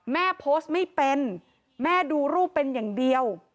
แม่โพสต์ไม่เป็นแม่ดูรูปเป็นอย่างเดียว